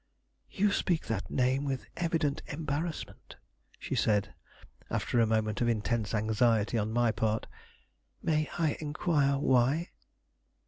"You speak that name with evident embarrassment," she said, after a moment of intense anxiety on my part. "May I inquire why?"